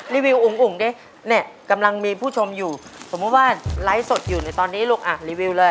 รีวิวอุ๋งดิเนี่ยกำลังมีผู้ชมอยู่สมมุติว่าไลฟ์สดอยู่ในตอนนี้ลูกอ่ะรีวิวเลย